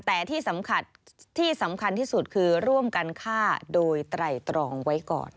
แต่ที่สำคัญที่สำคัญที่สุดคือร่วมกันฆ่าโดยไตรตรองไว้ก่อน